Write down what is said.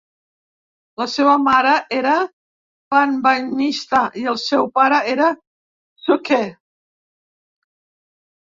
La seva mare era Panbanisha i el seu pare era P-suke.